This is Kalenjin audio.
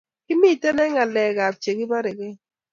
kimiten eng ngalekab chegibarege